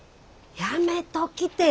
やめときて。